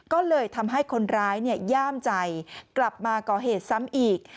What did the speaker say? ก็เลยทำให้คนร้ายย่ามใจกลับมาก่อเหตุซ้ำอีก